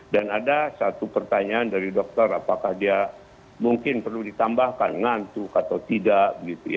dan ada satu pertanyaan dari dokter apakah dia mungkin perlu ditambahkan ngantuk atau tidak